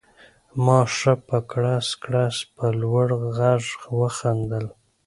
ما ښه په کړس کړس په لوړ غږ وخندل